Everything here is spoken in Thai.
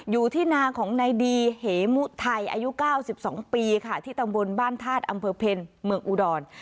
อยู่ที่นาของนายดีเหมุไทยอายุ๙๒ปีค่ะที่ตำบลบ้านธาตุอำเภอเพลเมืองอุดร